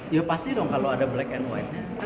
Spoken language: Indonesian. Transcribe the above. ya pasti dong kalau ada black and white nya